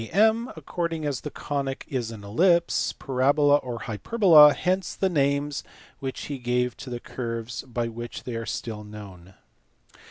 AM according as the conic is an ellipse, parabola, or hyperbola ; hence the names which he gave to the curves and by which they are still known.